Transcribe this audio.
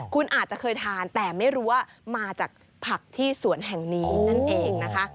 คุณอาจจะเคยทานแต่ไม่รู้ว่ามาจากผักที่สวนแห่งนี้นั่นเองนะคะ